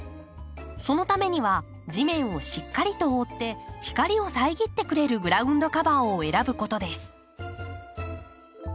そのためには地面をしっかりと覆って光を遮ってくれるグラウンドカバーを選ぶことです。